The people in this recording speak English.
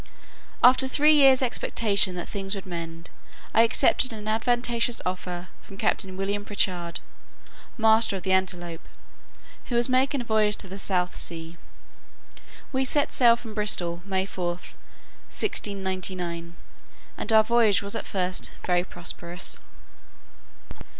After three years expectation that things would mend, I accepted an advantageous offer from Captain William Prichard, master of the Antelope, who was making a voyage to the South Sea. We set sail from Bristol, May 4, 1699, and our voyage was at first very prosperous.